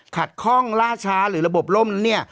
ขัดข้องล่าช้าหรือระบบล่มนั้น